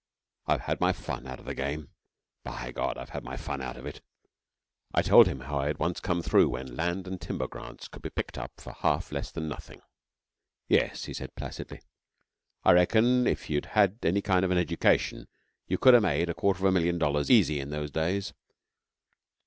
I've had my fun out of the game. By God, I've had my fun out of it! I told him how I had once come through when land and timber grants could have been picked up for half less than nothing. 'Yes,' he said placidly. 'I reckon if you'd had any kind of an education you could ha' made a quarter of a million dollars easy in those days.